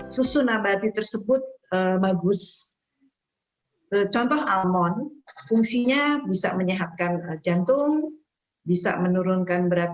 susuna batik tersebut bagus contoh almon fungsinya bisa menyehatkan jantung bisa menurunkan berat